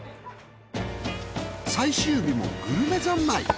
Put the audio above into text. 最終日もグルメ三昧。